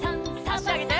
あしあげて。